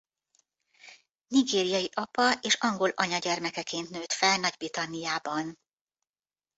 Nigériai apa és angol anya gyermekeként nőtt fel Nagy-Britanniában.